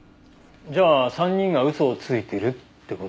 じゃあ３人が嘘をついているって事？